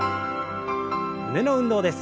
胸の運動です。